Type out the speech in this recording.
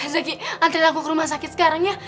zoki antri aku ke rumah sakit sekarang ya